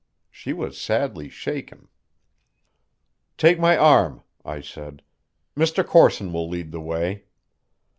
She was sadly shaken. "Take my arm," I said. "Mr. Corson will lead the way."